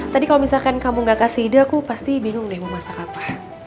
tadi kalau misalkan kamu gak kasih ide aku pasti bingung deh mau masak apa